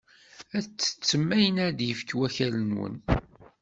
Ad tettettem ayen ara d-yefk wakal-nwen.